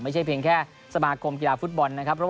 ไม่ใช่เพียงแค่สมาคมกีฬาฟุตบอลนะครับ